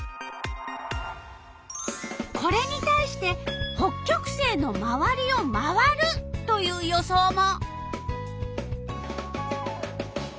これに対して北極星のまわりを回るという予想も。